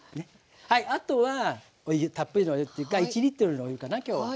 あとはたっぷりのお湯っていうか１のお湯かな今日は。